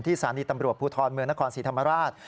สถานีตำรวจภูทรเมืองนครศรีธรรมราช